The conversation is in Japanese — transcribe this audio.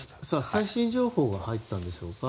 最新情報が入ったんでしょうか。